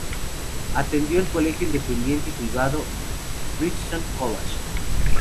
Atendió el colegio independiente y privado, Brighton College.